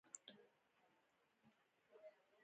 اخندزاده صاحب دا ځل هم تاویز ورکړ.